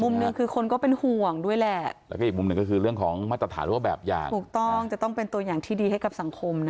มุมหนึ่งคือคนก็เป็นห่วงด้วยแหละ